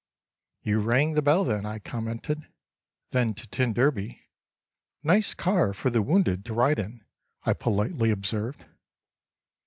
"You rang the bell then," I commented—then to t d: "Nice car for the wounded to ride in," I politely observed.